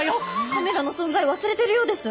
カメラの存在忘れてるようです。